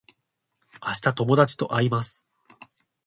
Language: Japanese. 明日友達と会います